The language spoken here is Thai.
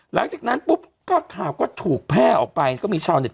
หลังจากนั้นปุ๊บก็ข่าวก็ถูกแพร่ออกไปก็มีชาวเน็ต